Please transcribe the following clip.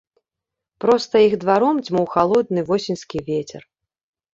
Проста іх дваром дзьмуў халодны восеньскі вецер.